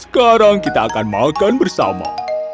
sekarang kita akan makan bersama